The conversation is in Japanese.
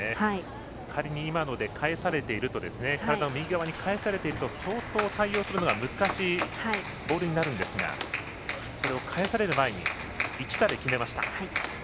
仮に今ので返されていると相当対応するのが難しいボールになるんですがそれを返される前に一打で決めました。